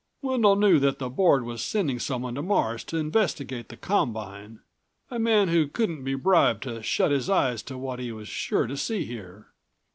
Wendel knew that the Board was sending someone to Mars to investigate the combine, a man who couldn't be bribed to shut his eyes to what he was sure to see here.